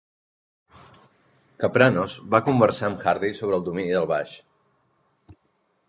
Kapranos va conversar amb Hardy sobre el domini del baix.